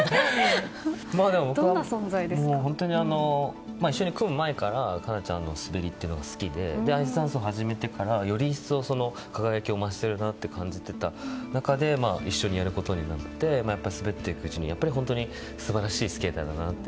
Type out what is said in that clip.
僕は一緒に組む前から哉中ちゃんの滑りが好きでアイスダンスを始めてからより一層、輝きを増しているなと感じていた中で一緒にやることになってだんだん滑っていくうちに素晴らしいスケーターだなと。